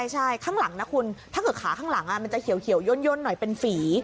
ใช่ข้างหลังนะคุณถ้าเกิดขาข้างหลังมันจะเขียวย่นหน่อยเป็นฝี